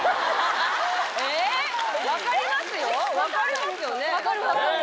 分かりますよね？